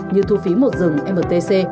như thu phí một rừng mtc